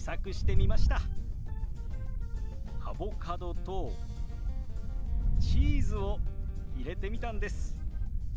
アボカドとチーズを入れてみたんです。